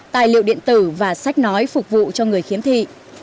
tài liệu điện tử và sách nói phục vụ cho người khiếm thị